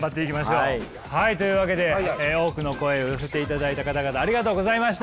というわけで多くの声を寄せていただいた方々ありがとうございました。